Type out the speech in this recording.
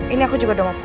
ini aku juga udah ngapain